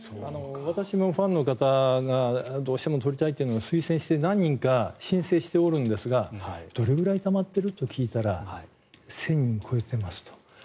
私のファンの方がどうしても取りたいということで推薦して何人か申請しているんですがどれくらいたまってる？と聞いたら１０００人を超えてますと。